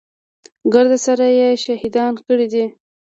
ګرد سره يې شهيدان کړي دي.